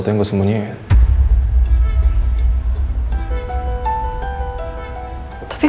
terbanding sampe langkrut gue ini tuh